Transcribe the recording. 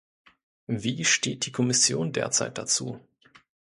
Wie steht die Kommission derzeit dazu?